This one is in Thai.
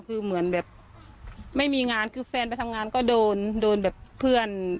คือเหมือนแบบไม่มีงานคือแฟนไปทำงานก็โดนโดนแบบเพื่อน